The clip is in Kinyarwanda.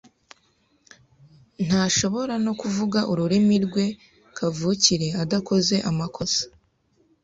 Ntashobora no kuvuga ururimi rwe kavukire adakoze amakosa.